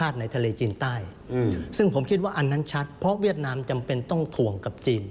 ซึ่งผมคิดว่าอันนั้นชัดเพราะเวียดนามจำเป็นต้องถ่วงกับจีน